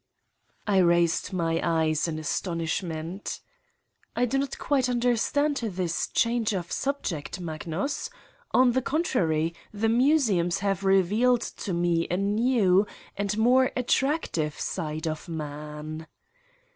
I raised my eyes in astonishment: "I do not quite understand this change of sub ject, Magnus. On the contrary, the museums have revealed to me a new and more attractive side of man.